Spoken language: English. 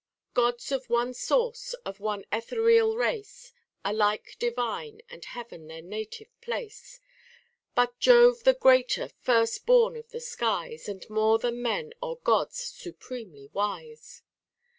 6 82 HOW A YOUNG MAN OUGHT Gods of one source, of one ethereal race, Alike divine, and heaven their native place ; But Jove the greater ; first born of the skies, And more than men or Gods supremely wise.